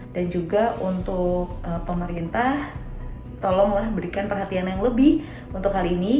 dan juga untuk pemerintah tolonglah berikan perhatian yang lebih untuk kali ini